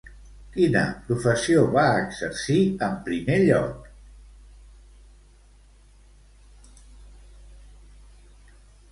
Quina professió va exercir en primer lloc?